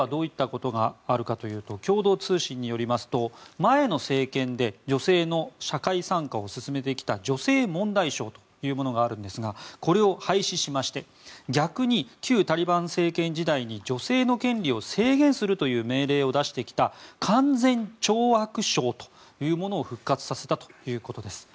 例えばどういったことがあるかというと共同通信によりますと前の政権で女性の社会参加を進めてきた女性問題省というものがあるんですがこれを廃止しまして逆に旧タリバン政権時代に女性の権利を制限するという命令を出してきた勧善懲悪省というものを復活させたということです。